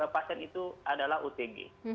pasien itu adalah utg